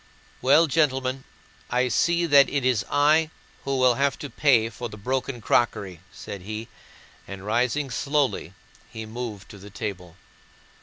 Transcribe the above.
"Well, gentlemen, I see that it is I who will have to pay for the broken crockery," said he, and rising slowly he moved to the table.